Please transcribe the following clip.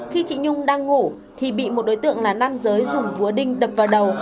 khi chị nhung đang ngủ thì bị một đối tượng là nam giới dùng búa đinh đập vào đầu